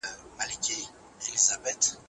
رسول الله ص د صلحې استازی و.